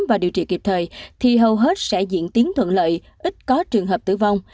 và điều trị kịp thời thì hầu hết sẽ diễn tiến thuận lợi ít có trường hợp tử vong